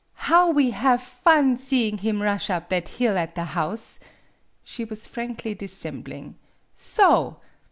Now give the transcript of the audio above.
" How we have fun seeing him rush up that hill at the house" she was frankly dissembling "so!"